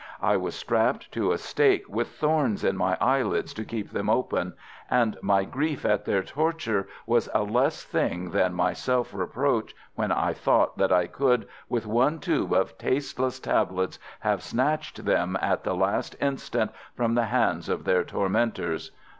"I was strapped to a stake with thorns in my eyelids to keep them open, and my grief at their torture was a less thing than my self reproach when I thought that I could with one tube of tasteless tablets have snatched them at the last instant from the hands of their tormentors.